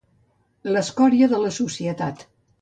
L'escòria de la societat.